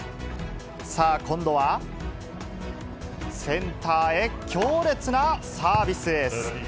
さあ、今度は、センターへ強烈なサービスエース。